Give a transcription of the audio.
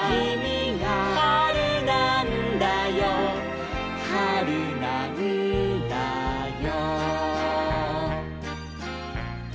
「はるなんだよはるなんだよ」